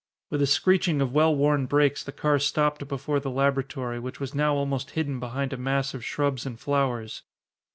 With a screeching of well worn brakes the car stopped before the laboratory, which was now almost hidden behind a mass of shrubs and flowers.